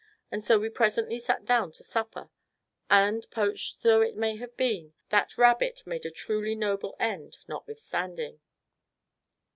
And so we presently sat down to supper and, poached though it may have been, that rabbit made a truly noble end, notwithstanding.